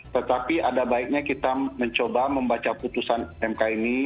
tetapi ada baiknya kita mencoba membaca putusan mk ini